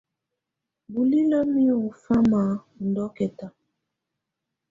Bulilǝ́ mɛ ŋɔ fama ɔ ndɔ́kɛta.